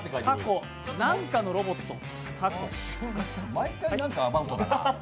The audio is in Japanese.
毎回なんかアバウトだなあ。